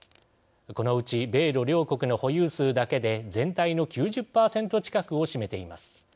このうち米ロ両国の保有数だけで全体の９０％近くを占めています。